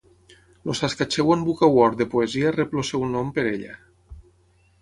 El Saskatchewan Book Award de poesia rep el seu nom per ella.